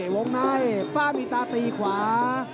วงในฝ้ามีตาตีขวา